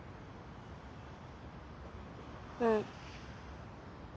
うん。